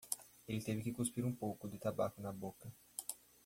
Ele teve que cuspir um pouco de tabaco da boca.